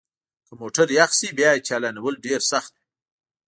که موټر یخ شي بیا یې چالانول ډیر سخت وي